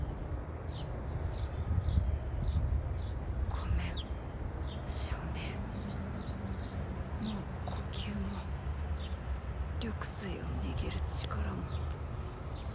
ごめん象姉もう呼吸も緑穂を握る力も。